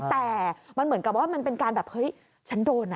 แต่มันเหมือนกับว่ามันเป็นการแบบเฮ้ยฉันโดนนะ